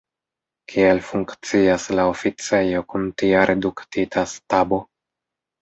Kiel funkcias la oficejo kun tia reduktita stabo?